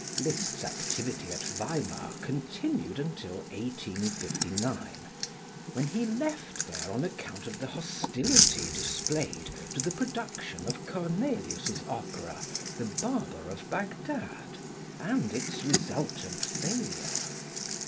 Liszt's activity at Weimar continued until 1859, when he left there on account of the hostility displayed to the production of Cornelius's opera, "The Barber of Bagdad," and its resultant failure.